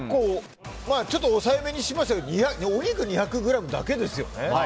ちょっと抑え目にしましたけどお肉２００ｇだけですよね。